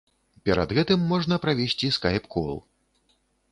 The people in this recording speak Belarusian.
Перад гэтым можна правесці скайп-кол.